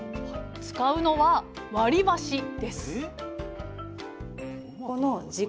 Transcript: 使うのは割り箸です